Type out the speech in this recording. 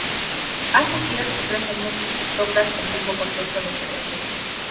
Haces giras por tres años y tocas el mismo concierto noche tras noche.